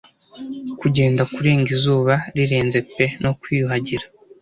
Kugenda kurenga izuba rirenze pe no kwiyuhagira